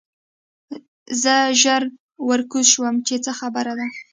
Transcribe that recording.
زه ژر ورکوز شوم چې څه خبره ده